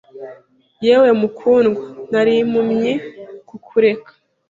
Yewe mukundwa Nari impumyi kukureka